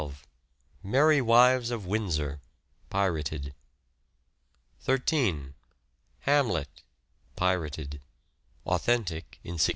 Merry Wives of Windsor (pirated). 13. Hamlet (pirated) : authentic in 1604.